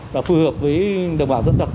và phù hợp với đồng bào dân tộc